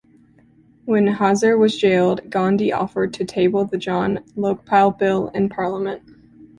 When Hazare was jailed, Gandhi offered to table the Jan Lokpal Bill in Parliament.